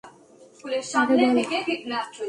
আরে, বল।